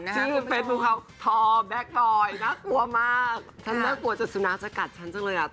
นี่ออริจินัลชื่อเป็นผู้เขาทอแบคทอยน่ากลัวมากฉันน่ากลัวจะสุนัขจะกัดฉันจังเลยอะ